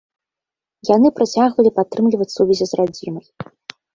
Яны працягвалі падтрымліваць сувязі з радзімай.